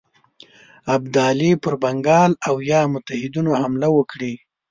ابدالي پر بنګال او یا متحدینو حمله وکړي.